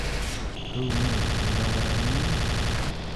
Who knew, you know what I mean?